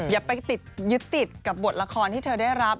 อย่าไปติดยึดติดกับบทละครที่เธอได้รับ